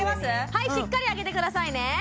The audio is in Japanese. はいしっかり上げてくださいね